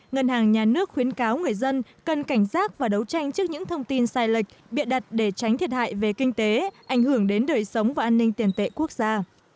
ngân hàng nhà nước khuyến cáo người dân cần cảnh giác và đấu tranh trước những thông tin sai lệch bịa đặt để tránh thiệt hại về kinh tế ảnh hưởng đến đời sống và an ninh tiền tệ quốc gia